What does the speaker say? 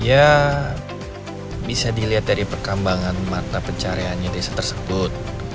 ya bisa dilihat dari perkembangan mata pencariannya desa tersebut